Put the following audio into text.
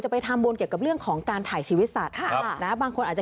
ไปทำบุญเกี่ยวกับเรื่องของการถ่ายชีวิตสัตว์นะบางคนอาจจะ